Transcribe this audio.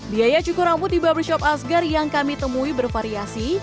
biaya cukur rambut di barbershop asgar yang kami temui bervariasi